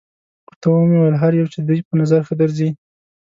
ورته ومې ویل: هر یو چې دې په نظر ښه درځي.